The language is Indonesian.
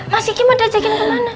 mas iki mau diajakin kemana